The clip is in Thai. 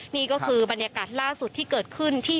นี่ก็คือบรรยากาศล่าสุดที่เกิดขึ้นที่